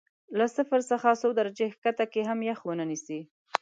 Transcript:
له صفر څخه څو درجې ښکته کې هم یخ ونه نیسي.